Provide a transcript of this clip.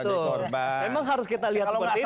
memang harus kita lihat seperti itu